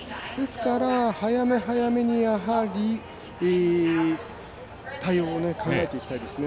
ですから、早め早めに対応を考えていきたいですね。